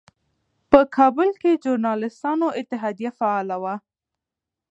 په کابل کې ژورنالېستانو اتحادیه فعاله وه.